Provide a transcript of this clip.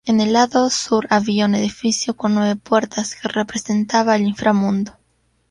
En el lado sur había un edificio con nueve puertas que representaba el inframundo.